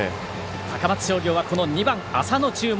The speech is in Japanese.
高松商業は２番浅野、注目。